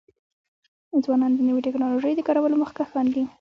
ځوانان د نوې ټکنالوژۍ د کارولو مخکښان دي.